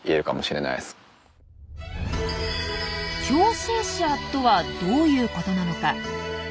「共生者」とはどういうことなのか？